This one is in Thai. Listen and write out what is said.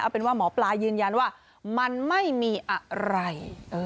เป็นว่าหมอปลายืนยันว่ามันไม่มีอะไร